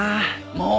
もう！